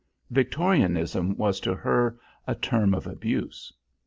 "Victorianism" was to her a term of abuse.